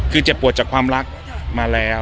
คือเจ็บปวดจากความรักมาแล้ว